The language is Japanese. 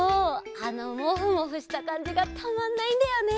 あのモフモフしたかんじがたまんないんだよね！